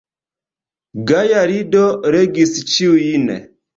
Gaja rido regis ĉiujn.